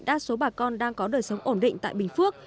đa số bà con đang có đời sống ổn định tại bình phước